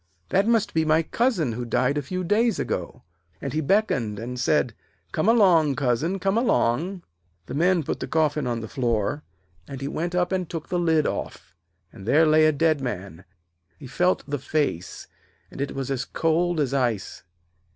That must be my cousin who died a few days ago.' And he beckoned and said: 'Come along, cousin, come along.' The men put the coffin on the floor, and he went up and took the lid off, and there lay a dead man. He felt the face, and it was as cold as ice.